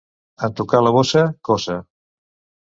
En tocar la bossa, coça.